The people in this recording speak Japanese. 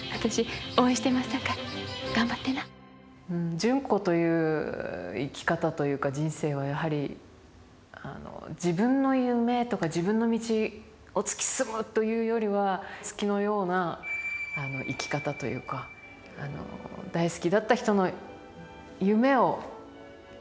純子という生き方というか人生はやはり自分の夢とか自分の道を突き進むというよりは月のような生き方というかあの大好きだった人の夢を自分のこととして追いかける。